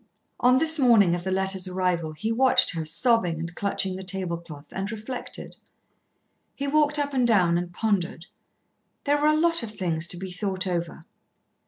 On this morning of the letter's arrival he watched her sobbing and clutching the tablecloth, and reflected. He walked up and down and pondered. There were a lot of things to be thought over.